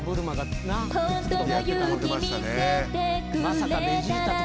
まさかベジータと。